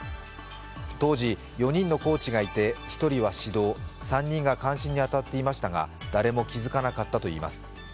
当時、４人のコーチがいて１人は指導３人が監視に当たっていましたが、誰も気づかなかったといいます。